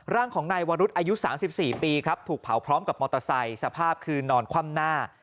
ร่างของนายวรุษอายุ๓๔ปีครับถูกเผาพร้อมกับมอเตอร์ไซค์สภาพคือนอนคว่ำหน้า